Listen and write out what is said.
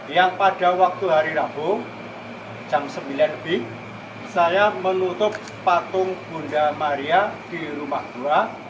yang pada waktu hari rabu jam sembilan lebih saya menutup patung bunda maria di rumah dua